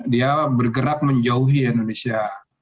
dia bergerak menjauhi indonesia